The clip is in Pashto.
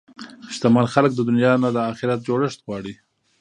شتمن خلک د دنیا نه د اخرت جوړښت غواړي.